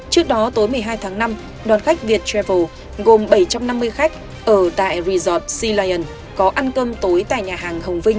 trước đó tối một mươi hai tháng năm đoàn khách việt travel gồm bảy trăm năm mươi khách ở tại resort sea lion có ăn cơm tối tại nhà hàng hồng vinh